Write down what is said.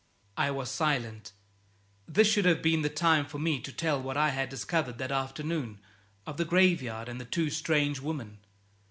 I was silent. This should have been the time for me to tell what I had discovered that afternoon; of the graveyard and the two strange women.